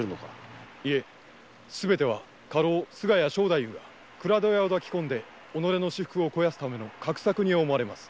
すべては家老菅谷庄太夫が倉戸屋を抱き込んで私腹を肥やすための画策に思われます。